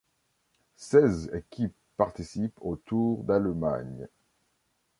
Seize équipes participent au Tour d'Allemagne.